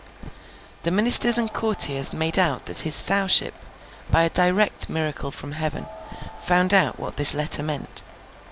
The ministers and courtiers made out that his Sowship, by a direct miracle from Heaven, found out what this letter meant.